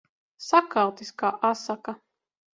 Sakaltis kā asaka.